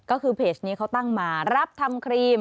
ก็คือเพจนี้เขาตั้งมารับทำครีม